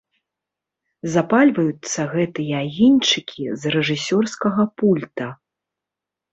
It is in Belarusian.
Запальваюцца гэтыя агеньчыкі з рэжысёрскага пульта.